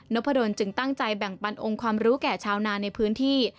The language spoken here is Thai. พะดนจึงตั้งใจแบ่งปันองค์ความรู้แก่ชาวนาในพื้นที่